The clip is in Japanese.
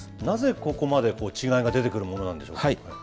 なぜここまで違いが出てくるものなんでしょうか。